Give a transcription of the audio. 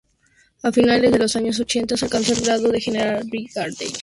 A finales de los años ochenta alcanzó el grado de general brigadier.